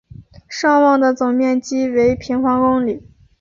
尚旺的总面积为平方公里。